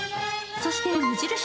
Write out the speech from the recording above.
そして無印